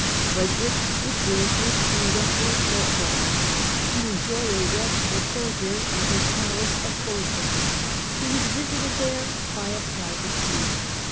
Frederick withdrew into his Kingdom for a short while to enjoy a restful sojourn at his palace of Foggia. He was visited there by a private grief.